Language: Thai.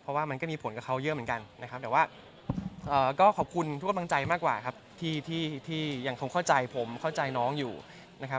เพราะว่ามันก็มีผลกับเขาเยอะเหมือนกันนะครับแต่ว่าก็ขอบคุณทุกกำลังใจมากกว่าครับที่ยังคงเข้าใจผมเข้าใจน้องอยู่นะครับ